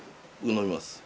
飲みます。